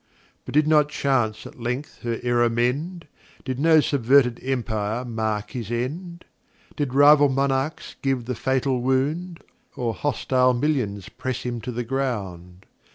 But did not Chance at length her Error mend? Did no subverted Empire mark his End? Did rival Monarchs give the fatal Wound? Or hostile Millions press him to the Ground?